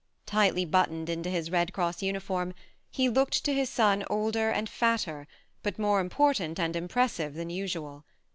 Tightly buttoned into his Red Cross uniform, he looked to his son older and fatter, but more important and impressive, than usual.